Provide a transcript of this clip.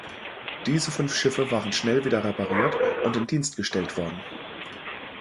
Diese fünf Schiffe waren schnell wieder repariert und in Dienst gestellt worden.